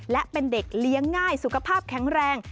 และเป็นเด็กเลี้ยงง่ายสุขภาพแข็งแรง